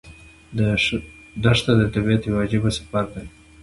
دښته د طبیعت یو عجیب سفر دی.